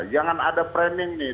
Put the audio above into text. jangan ada framing nih